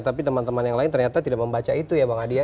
tapi teman teman yang lain ternyata tidak membaca itu ya bang adi ya